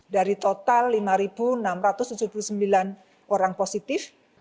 dari total lima enam ratus tujuh puluh sembilan orang positif